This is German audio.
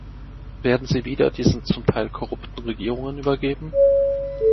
Werden sie wieder diesen zum Teil korrupten Regierungen übergeben?